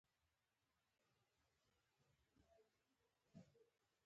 د غلو دانو د پاکولو ماشینونه په فاریاب کې فعال دي.